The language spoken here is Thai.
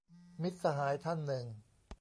มิตรสหายท่านนึง